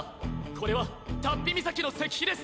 これは竜飛岬の石碑です。